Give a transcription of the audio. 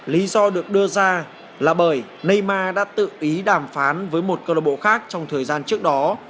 lý do được đưa ra là bởi neymar đã tự ý đàm phán với một club khác trong thời gian trước đó